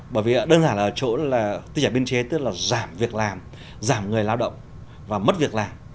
bởi vì đơn giản là ở chỗ là tinh giảm biên chế tức là giảm việc làm giảm người lao động và mất việc làm